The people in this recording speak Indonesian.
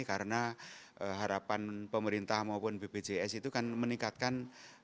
karena harapan pemerintah maupun bpjs itu akan meningkatkan